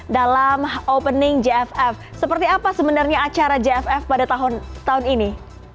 dalam opening jff seperti apa sebenarnya acara jff pada tahun ini